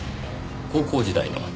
高校時代の。